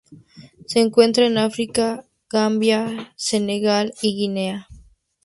Se encuentran en África: Gambia, Senegal y Guinea.